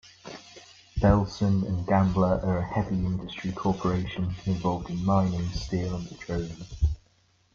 Bellson and Gambler are a heavy industry corporation, involved in mining, steel and petroleum.